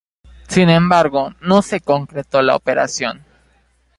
Sin embargo, no se concretó la operación.